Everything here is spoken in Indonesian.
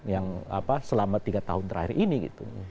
yang selama tiga tahun terakhir ini gitu